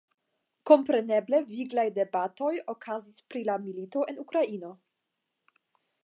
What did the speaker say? Kompreneble viglaj debatoj okazis pri la milito en Ukrainio.